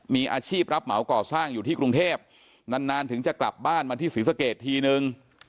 มีอาชีพรับเหมาก่อสร้างอยู่ที่กรุงเทพนานถึงจะกลับบ้านมาที่ศรีสะเกดทีนึง